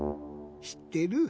しってる？